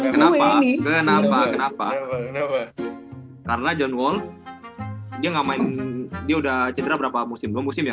kenapa kenapa kenapa karena john wall dia nggak main dia udah cedera berapa musim musim yang